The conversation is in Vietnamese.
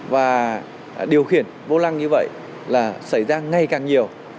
và điều khiển vô lăng như vậy là xảy ra ngay càng nhiều